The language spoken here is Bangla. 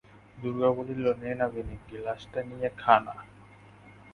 দুর্গা বলিল, নে না বিনি, গেলাসটা নিয়ে খা না?